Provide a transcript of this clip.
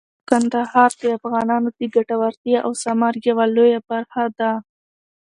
کندهار د افغانانو د ګټورتیا او ثمر یوه لویه برخه ده.